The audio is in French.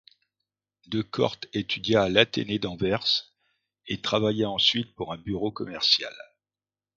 De Cort étudia à l'athénée d'Anvers et travailla ensuite pour un bureau commercial.